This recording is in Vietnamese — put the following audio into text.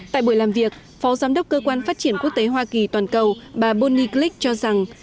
tại buổi làm việc phó giám đốc cơ quan phát triển quốc tế hoa kỳ toàn cầu bà bonnie glick cho rằng